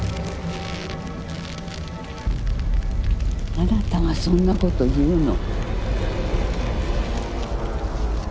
あなたがそんなこと言うの？